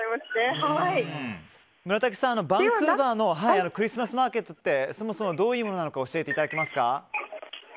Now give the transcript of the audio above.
村武さん、バンクーバーのクリスマスマーケットってそもそもどういうものなのか教えていただけますか？